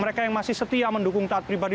mereka yang masih setia mendukung taat pribadi